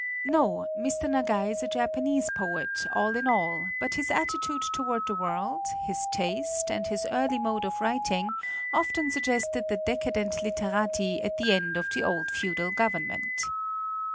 No; Mr. Nagai is a Japanese poet, all in all, but his attitude toward the world, his taste, and his early mode of writing often sug gested the decadent literati at the end of the old feudal government.